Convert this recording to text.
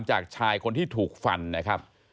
จากชายคนที่ถูกฟันนะครับ